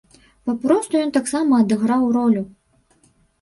Папросту ён таксама адыграў ролю.